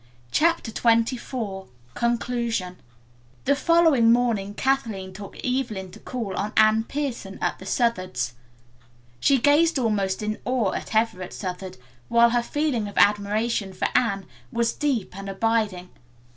CHAPTER XXIV CONCLUSION The following morning Kathleen took Evelyn to call on Anne Pierson at the Southards. She gazed almost in awe at Everett Southard, while her feeling of admiration for Anne was deep and abiding.